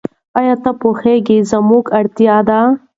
ایا پوهه زموږ اړتیا ده؟